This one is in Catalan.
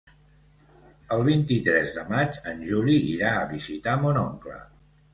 El vint-i-tres de maig en Juli irà a visitar mon oncle.